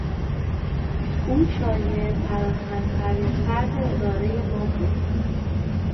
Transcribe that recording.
او شایعه پراکنترین فرد ادارهی ما بود.